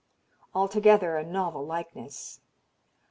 Altogether a novel likeness.